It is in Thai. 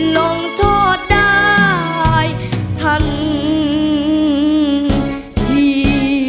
ลงโทษได้ทันที